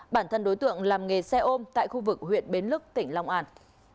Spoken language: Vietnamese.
bản thân đối tượng làm nghề xe ôm tại khu vực huyện bến lức tỉnh long an